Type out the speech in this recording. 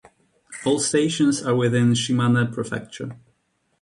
All stations are within Shimane Prefecture.